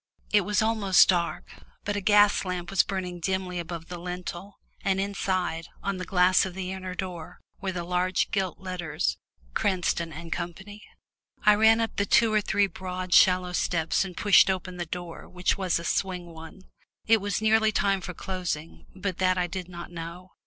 It was almost dark, but a gas lamp was burning dimly above the lintel, and inside, on the glass of the inner door, were the large gilt letters "Cranston and Co." I ran up the two or three broad shallow steps and pushed open the door, which was a swing one. It was nearly time for closing, but that I did not know.